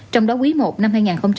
trong đó quý i năm hai nghìn hai mươi